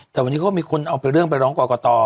แต่วันนี้ก็มีคนเอาเป็นเรื่องไปร้องกว่ากว่าต่อ